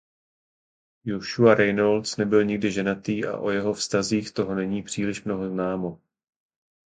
Joshua Reynolds nebyl nikdy ženatý a o jeho vztazích toho není příliš mnoho známo.